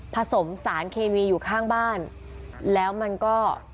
ผสมสารเคมีอยู่ข้างบ้านแล้วมันก็